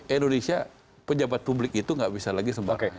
indonesia pejabat publik itu nggak bisa lagi sembarang